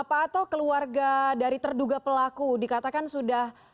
pak ato keluarga dari terduga pelaku dikatakan sudah